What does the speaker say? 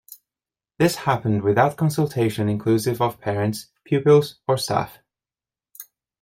This happened without consultation inclusive of parents, pupils or staff.